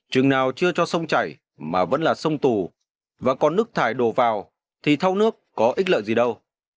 trừng nào chưa cho sông chảy mà vẫn là sông tù và còn nước thải đồ vào thì thâu nước có ít lợi gì đâu